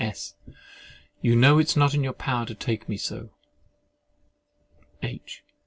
S. You know it is not in your power to take me so. H.